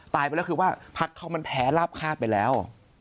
ไปแล้วคือว่าพักเขามันแพ้ลาบคาดไปแล้ว